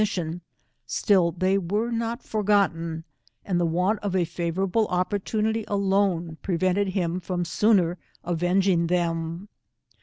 ission, still they were not forgotten, and the want of a favourable opportunity alone prevented him from sooner aveng 113 ing them.